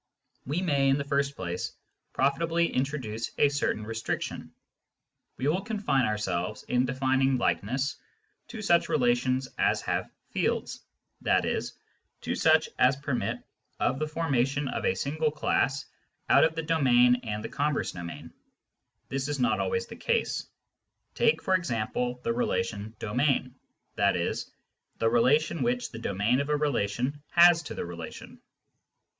We may, in the first place, profitably introduce a certain restriction. We will confine ourselves, in defining likeness, to such relations as have " fields," i.e. to such as permit of the formation of a single class out of the domain and the converse domain. This is not always the case. Take, for example, the relation " domain," i.e. the relation which the domain of a relation has to the relation.